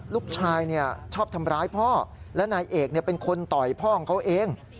ลูกชายชอบทำร้ายพ่อและนายเอกเป็นคนต่อยพ่อของเขาเอง